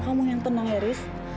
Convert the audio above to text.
kamu yang tenang haris